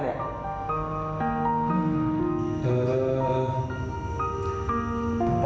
คงจ้ะ